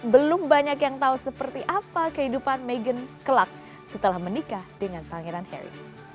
belum banyak yang tahu seperti apa kehidupan meghan kelak setelah menikah dengan pangeran harry